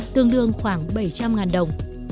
tương đương khoảng bảy trăm linh đồng